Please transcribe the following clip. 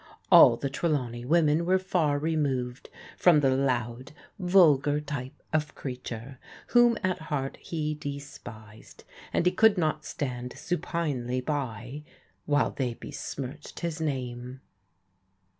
All the Trelawney women were far removed from the loud, vulgar type of creature whom at heart he despised, and he could not stand su pinely by, while they besmirched his name.